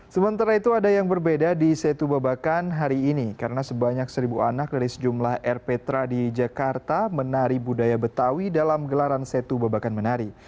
sementara itu ada yang berbeda di setu babakan hari ini karena sebanyak seribu anak dari sejumlah rptra di jakarta menari budaya betawi dalam gelaran setu babakan menari